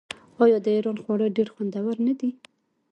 آیا د ایران خواړه ډیر خوندور نه دي؟